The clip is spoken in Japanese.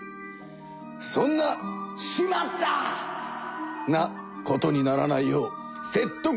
そんな「しまった！」なことにならないようせっとく